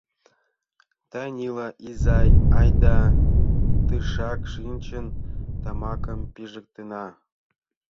Танила изай, айда, тышак шинчын, тамакым пижыктена...